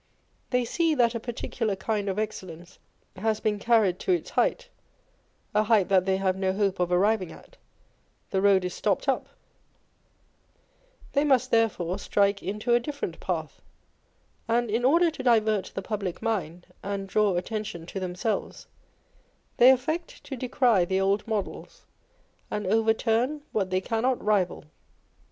They see that a particular kind of excellence has been carried to its heightâ€" a height that they have no hope of arriving at â€" the road is stopped up ; they must therefore strike into a different path ; and in order to divert the public mind and draw attention to themselves, they affect to decry the old models, and over turn what they cannot rival.